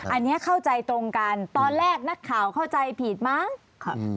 อันนี้เข้าใจตรงกันตอนแรกนักข่าวเข้าใจผิดมั้งครับ